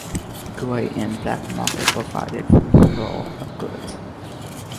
Gray and black market provided for flow of goods.